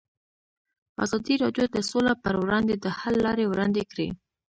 ازادي راډیو د سوله پر وړاندې د حل لارې وړاندې کړي.